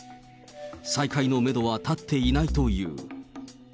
再開のメドはたっていないという。